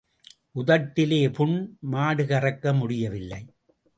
உதட்டிலே புண், மாடு கறக்க முடியவில்லை.